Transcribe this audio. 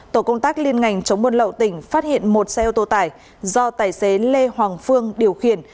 tổ công tác liên ngành chống buôn lậu tỉnh phát hiện một xe ô tô tải do tài xế lê hoàng phương điều khiển